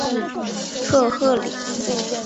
特赫里。